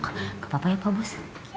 gak apa apa ya pak bos